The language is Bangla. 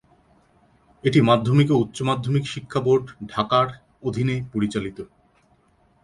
এটি মাধ্যমিক ও উচ্চ মাধ্যমিক শিক্ষা বোর্ড, ঢাকা এর অধীনে পরিচালিত।